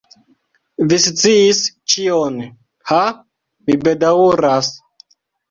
Vi sciis ĉion. Ha? Mi bedaŭras.